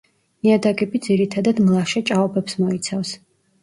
ნიადაგები ძირითადად მლაშე ჭაობებს მოიცავს.